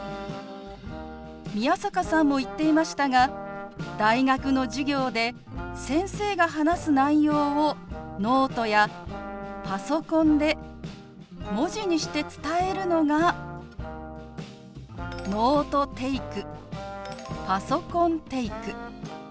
宮坂さんも言っていましたが大学の授業で先生が話す内容をノートやパソコンで文字にして伝えるのが「ノートテイク」「パソコンテイク」。